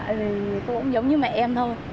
vì cô cũng giống như mẹ em thôi